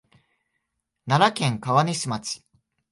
奈良県川西町